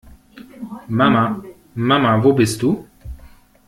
Mama, Mama, wo bist du?